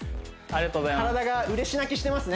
ありがとうございます